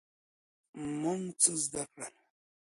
موږ څه زده کړل؟